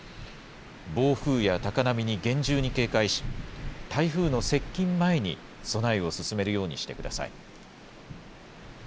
暴風や高波に厳重に警戒し、台風の接近前に備えを進めるようにしてください。